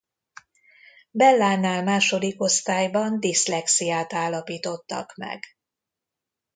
Bellánál második osztályban diszlexiát állapítottak meg.